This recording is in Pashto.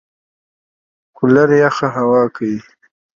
يوويشتم، دوه ويشتم، درويشتم، څلرويشتم، څلورويشتم